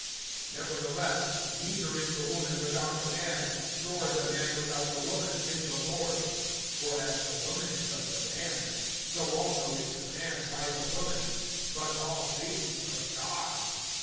(11)Nevertheless, neither is the woman without the man, nor the man without the woman, in the Lord. (12)For as the woman is of the man, so also is the man by the woman; but all things of God.